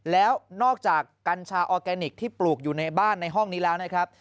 แล้วนอกจากกัญชาออร์แกนิคที่ปลูกอยู่ในบ้านในห้องนี้แล้วนะครับ